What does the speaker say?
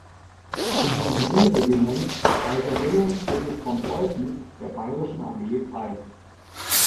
Infanterie-Regiment „Kaiser Wilhelm, König von Preußen“ der Bayerischen Armee ein.